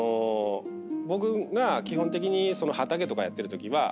僕が基本的に畑とかやってるときは。